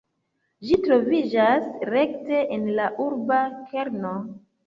Ĝi troviĝas rekte en la urba kerno.